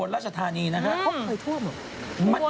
ราชธานีนะฮะเขาเคยท่วมเหรอ